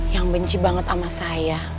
yang benci banget sama saya